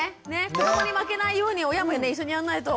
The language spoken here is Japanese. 子どもに負けないように親も一緒にやんないと。